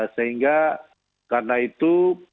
sehingga karena itu